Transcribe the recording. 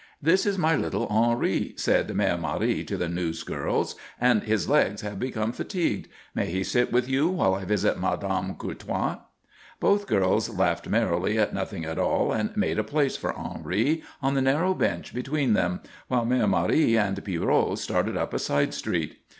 "This is my little Henri," said Mère Marie to the newsgirls, "and his legs have become fatigued. May he sit with you while I visit Madame Courtois?" Both girls laughed merrily at nothing at all and made a place for Henri on the narrow bench between them, while Mère Marie and Pierrot started up a side street.